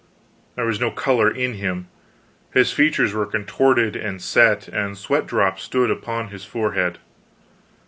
There was no color in him; his features were contorted and set, and sweat drops stood upon his forehead.